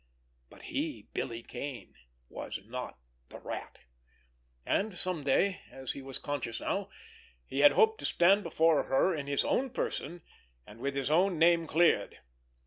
But he, Billy Kane, was not the Rat, and some day, as he was conscious now, he had hoped to stand before her in his own person, and with his own name cleared.